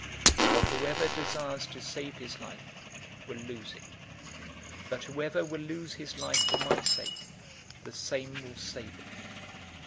009:024 For whoever desires to save his life will lose it, but whoever will lose his life for my sake, the same will save it.